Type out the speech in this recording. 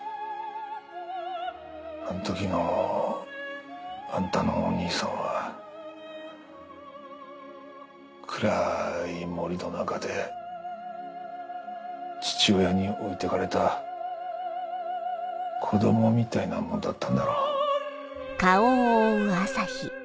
あの時のあんたのお兄さんは暗い森の中で父親に置いて行かれた子供みたいなもんだったんだろう。